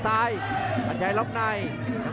ขวางแขงขวาเจอเททิ้ง